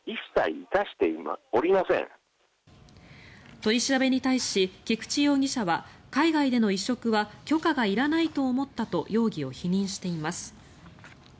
取り調べに対し、菊池容疑者は海外での移植は許可がいらないと思ったと容疑を否認しています。